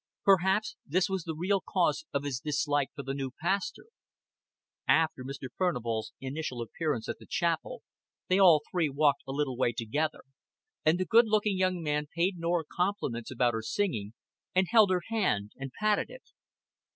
Perhaps this was the real cause of his dislike for the new pastor. After Mr. Furnival's initial appearance at the chapel, they all three walked a little way together, and the good looking young man paid Norah compliments about her singing, and held her hand and patted it.